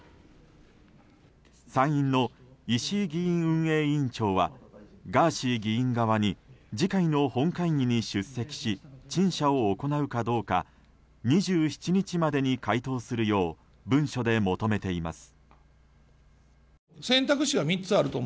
参院の石井議院運営委員長はガーシー議員側に次回の本会議に出席し陳謝を行うかどうか２７日までに回答するよう文書で求めています。